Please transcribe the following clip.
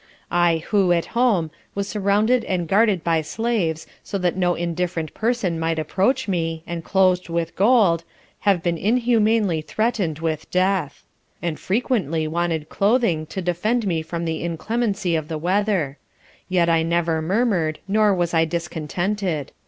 I who, at home, was surrounded and guarded by slaves, so that no indifferent person might approach me, and clothed with gold, have been inhumanly threatened with death; and frequently wanted clothing to defend me from the inclemency of the weather; yet I never murmured, nor was I discontented.